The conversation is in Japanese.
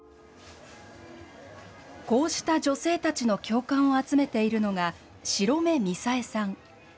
こうした女性たちの共感を集めているのが、白目みさえさん。